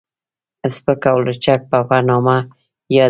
سپک او لچک به په نامه يادېده.